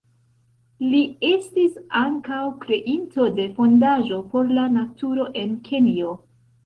Li estis ankaŭ kreinto de fondaĵo por la naturo en Kenjo.